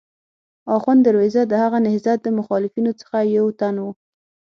اخوند درویزه د هغه نهضت د مخالفینو څخه یو تن و.